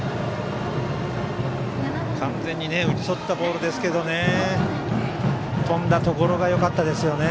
完全に打ち取ったボールですけど飛んだところがよかったですよね。